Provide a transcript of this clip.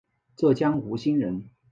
浙江吴兴人。